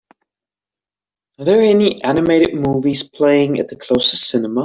Are there any animated movies playing at the closest cinema?